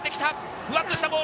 ふわっとしたボール。